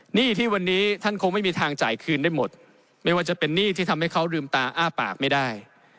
หนี้ที่วันนี้ท่านคงไม่มีทางจ่ายคืนได้หมดไม่ว่าจะเป็นหนี้ที่ทำให้เขาลืมตาอ้าปากไม่ได้